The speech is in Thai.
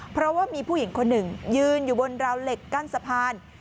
เพราะว่ามีผู้หญิงคนหนึ่งยืนอยู่บนราวเหล็กกั้นสะพาน